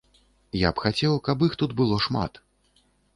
Я б хацеў, каб іх тут было шмат.